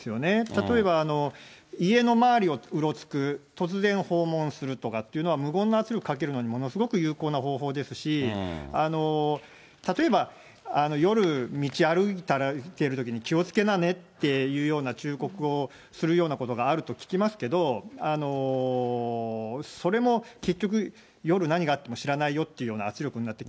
例えば、家の周りをうろつく、突然訪問するとかっていうのは、無言の圧力かけるのにものすごく有効な方法ですし、例えば夜、道歩いているときに気をつけなねっていうような忠告をするようなことがあると聞きますけど、それも結局、夜、何があっても知らないよっていうような圧力になって。